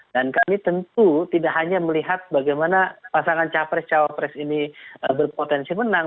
dan kami tentu tidak hanya melihat bagaimana pasangan capres caopres ini berpotensi menang